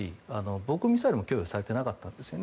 防空ミサイルも供与されていなかったんですね。